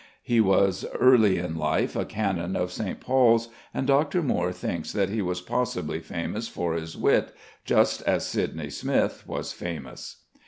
He was early in life a Canon of St. Paul's, and Dr. Moore thinks that he was possibly famous for his wit, just as Sydney Smith was famous.